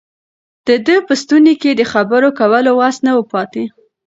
د ده په ستوني کې د خبرو کولو وس نه و پاتې.